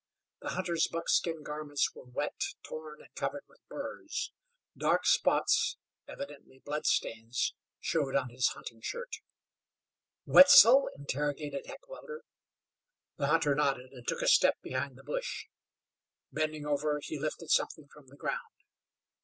The hunter's buckskin garments were wet, torn, and covered with burrs. Dark spots, evidently blood stains, showed on his hunting shirt. "Wetzel?" interrogated Heckewelder. The hunter nodded, and took a step behind the bush. Bending over he lifted something from the ground.